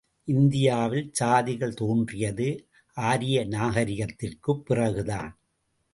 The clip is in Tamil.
இந்தியாவில் சாதிகள் தோன்றியது ஆரிய நாகரிகத்திற்குப் பிறகுதான்.